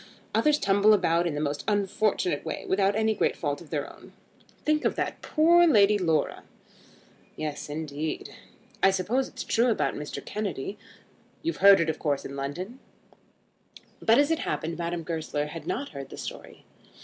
Others tumble about in the most unfortunate way, without any great fault of their own. Think of that poor Lady Laura." "Yes, indeed." "I suppose it's true about Mr. Kennedy. You've heard of it of course in London." But as it happened Madame Goesler had not heard the story.